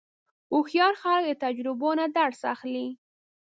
هوښیار خلک د تجربو نه درس اخلي.